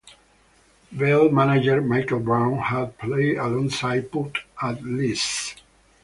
Vale manager Michael Brown had played alongside Pugh at Leeds.